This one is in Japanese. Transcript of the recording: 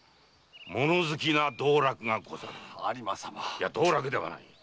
いや道楽ではない。